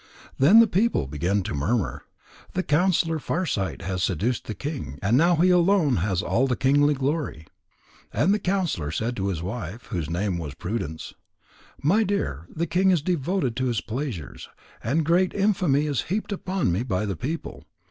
Then the people began to murmur: "The counsellor Farsight has seduced the king, and now he alone has all the kingly glory." And the counsellor said to his wife, whose name was Prudence: "My dear, the king is devoted to his pleasures, and great infamy is heaped upon me by the people.